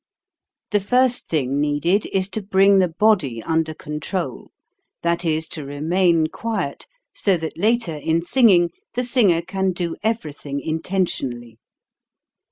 The first thing needed is to bring the body under control, that is, to remain quiet, so that later, in singing, the singer can do everything intentionally.